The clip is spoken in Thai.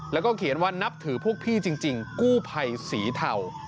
แล้วก็เขียนว่านับถือพวกพี่จริงกู้ภัยสีเทา